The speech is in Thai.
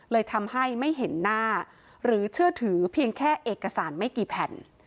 เลยทำให้ไม่เห็นหน้าหรือเชื่อถือเพียงแค่เอกสารไม่กี่แผ่น